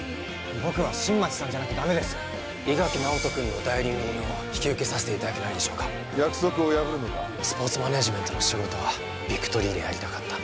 僕は新町さんじゃなきゃダメです伊垣尚人君の代理人を引き受けさせていただけないでしょうか約束を破るのかスポーツマネージメントの仕事はビクトリーでやりたかった